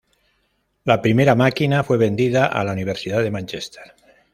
La primera máquina fue vendida a la Universidad de Mánchester.